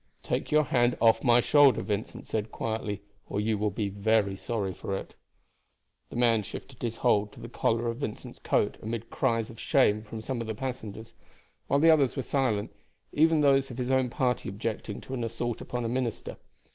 "Take your hand off my shoulder," Vincent said quietly, "or you will be sorry for it." The man shifted his hold to the collar of Vincent's coat amid cries of shame from some of the passengers, while the others were silent, even those of his own party objecting to an assault upon a minister.